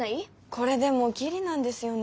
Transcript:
これでもギリなんですよね。